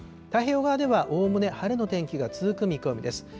太平洋側ではおおむね晴れの天気が続く見込みです。